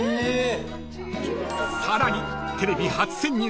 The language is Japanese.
［さらにテレビ初潜入］